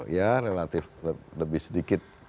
ya relatif lebih sedikit